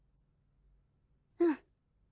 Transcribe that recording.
うん。